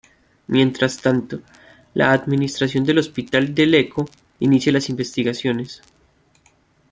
Mientras tanto, la administración del hospital de Lecco inicia las investigaciones.